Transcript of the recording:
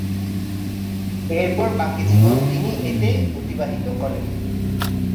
এরপর বাকি জীবন তিনি এতেই অতিবাহিত করেন।